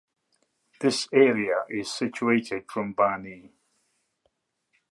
This area is situated from Bani.